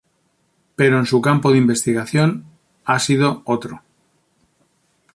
Pero su campo de investigación ha sido otro.